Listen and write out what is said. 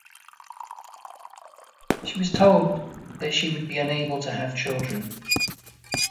She was told that she would be unable to have children.